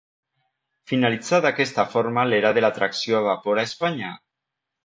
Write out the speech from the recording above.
Finalitzà d’aquesta forma l’era de la tracció a vapor a Espanya.